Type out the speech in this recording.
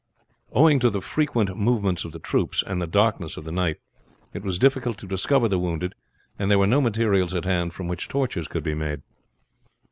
Owing to the frequent movements of the troops, and the darkness of the night, it was difficult to discover the wounded, and there were no materials at hand from which torches could be made.